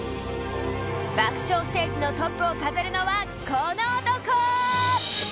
爆笑ステージのトップを飾るのはこの男！